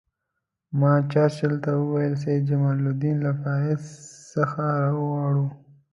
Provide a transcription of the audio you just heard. ما چرچل ته وویل سید جمال الدین له پاریس څخه را وغواړو.